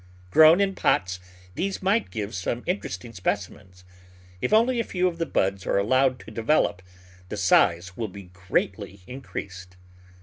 Grown in pots these might give some interesting specimens. If only a few of the buds are allowed to develop the size will be greatly in creased.